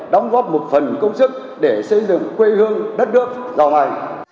đóng góp một phần công sức để xây dựng quê hương đất nước dòng này